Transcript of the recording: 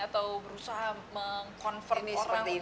atau berusaha meng confirm orang